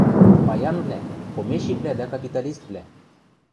Паянвлӓ – помещиквлӓ дӓ капиталиствлӓ.